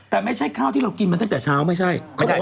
แต่ไม่ใช่ข้าวที่เรากินมาตั้งแต่เช้าไม่ใช่